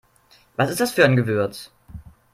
Was ist das für ein Gewürz?